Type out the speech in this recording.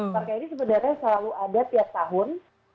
marka ini sebenarnya selalu ada tiap tahun